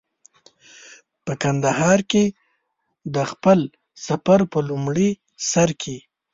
په کندهار کې د خپل سفر په لومړي سر کې.